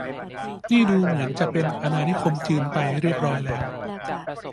นี่ดูเหมือนจะเป็นอาณานิคมจีนไปเรียบร้อยแล้ว